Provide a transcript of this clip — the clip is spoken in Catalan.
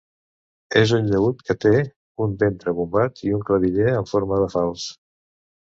És un llaüt que té un ventre bombat i un claviller en forma de falç.